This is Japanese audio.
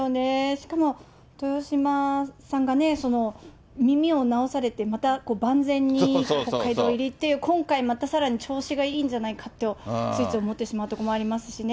しかも豊島さんがね、耳を治されて、また万全に北海道入りという、今回またさらに調子がいいんじゃないかと、ついつい思ってしまうところもありますしね。